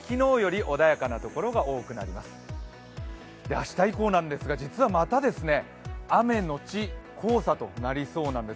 明日以降なんですが、実はまた雨後黄砂となりそうなんです。